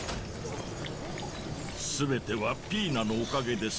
全てはピイナのおかげです。